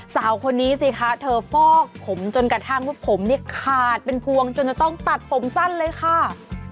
สาวคนนี้สิคะเธอฟอกผมจนกระทั่งว่าผมเนี่ยขาดเป็นพวงจนจะต้องตัดผมสั้นเลยค่ะ